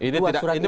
dua surat ini